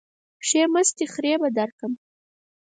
ښې مستې خرې به درکم.